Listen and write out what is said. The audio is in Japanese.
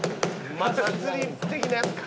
祭り的なやつか。